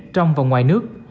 trong và ngoài nước